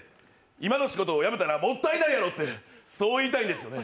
今の仕事、辞めたらもったいないやろって、そう言いたいんですよね。